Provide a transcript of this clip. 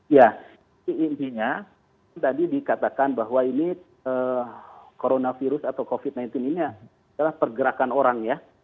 ya intinya tadi dikatakan bahwa ini coronavirus atau covid sembilan belas ini adalah pergerakan orang ya